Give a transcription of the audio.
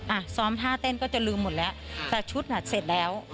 อ่ะซ้อมท่าเต้นก็จะลืมหมดแล้วแต่ชุดอ่ะเสร็จแล้ว